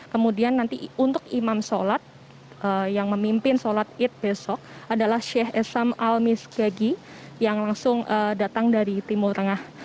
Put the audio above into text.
kemudian nanti untuk imam sholat yang memimpin sholat id besok adalah syekh esam al misgagi yang langsung datang dari timur tengah